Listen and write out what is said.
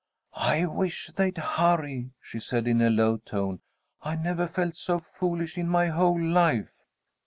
"I wish they'd hurry," she said, in a low tone. "I never felt so foolish in my whole life."